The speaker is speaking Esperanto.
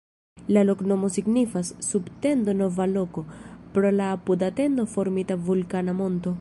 La loknomo signifas: sub-tendo-nova-loko, pro la apuda tendo-formita vulkana monto.